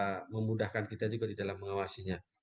dan memudahkan kita juga di dalam mengawasinya